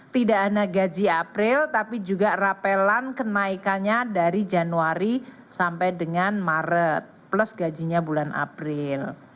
tidak hanya gaji april tapi juga rapelan kenaikannya dari januari sampai dengan maret plus gajinya bulan april